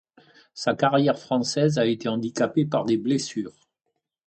Sa carrière française a été handicapée par des blessures.